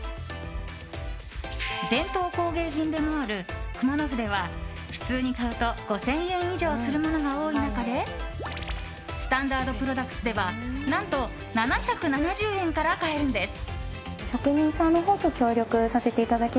伝統工芸品でもある熊野筆は普通に買うと５０００円以上するものが多い中でスタンダードプロダクツでは何と７７０円から買えるんです。